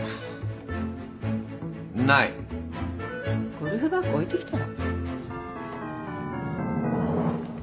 ゴルフバッグ置いてきたら？